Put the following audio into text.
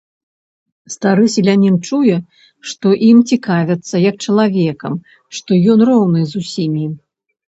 Стары селянін чуе, што ім цікавяцца як чалавекам, што ён роўны з усімі.